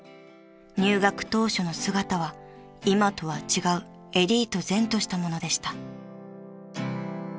［入学当初の姿は今とは違うエリート然としたものでした］